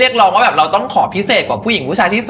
เลยต้องการแบ่งปฏิเสธง่ายก็จะไม่ได้